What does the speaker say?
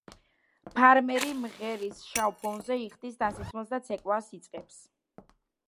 ფარმერი მღერის შავ ფონზე, იხდის ტანსაცმელს და ცეკვას იწყებს.